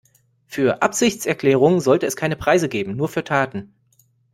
Für Absichtserklärungen sollte es keine Preise geben, nur für Taten.